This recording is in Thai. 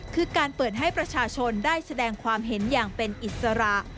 คือการเปิดให้ประชาชนได้แสดงความเห็นอย่างเป็นอิสระ